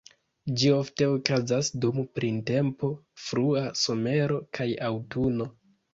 Ĝi ofte okazas dum printempo, frua somero kaj aŭtuno.